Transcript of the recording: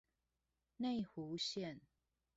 內湖線